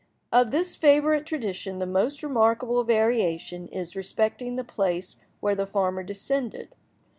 Of this favourite tradition, the most remarkable variation is respecting the place where the farmer descended.